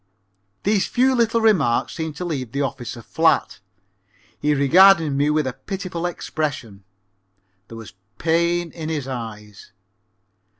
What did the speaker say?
'" These few little remarks seemed to leave the officer flat. He regarded me with a pitiful expression. There was pain in his eyes.